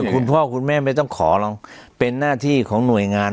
คุณพ่อคุณแม่ไม่ต้องขอหรอกเป็นหน้าที่ของหน่วยงาน